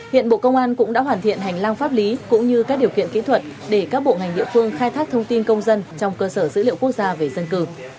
hiện bộ công an cũng đã hoàn thiện hành lang pháp lý cũng như các điều kiện kỹ thuật để các bộ ngành địa phương khai thác thông tin công dân trong cơ sở dữ liệu quốc gia về dân cư